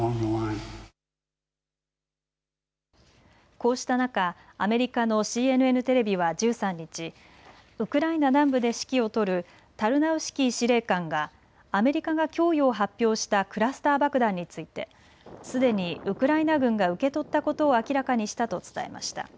こうした中、アメリカのＣＮＮテレビは１３日、ウクライナ南部で指揮を執るタルナウシキー司令官がアメリカが供与を発表したクラスター爆弾についてすでにウクライナ軍が受け取ったことを明らかにしたと伝えました。